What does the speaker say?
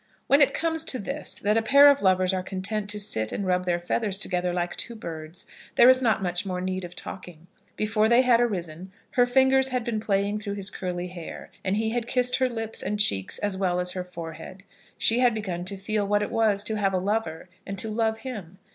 When it comes to this, that a pair of lovers are content to sit and rub their feathers together like two birds, there is not much more need of talking. Before they had arisen, her fingers had been playing through his curly hair, and he had kissed her lips and cheeks as well as her forehead. She had begun to feel what it was to have a lover and to love him.